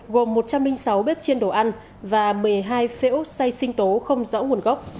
gồm một trăm linh sáu bếp chiên đồ ăn và một mươi hai phễu say sinh tố không rõ nguồn gốc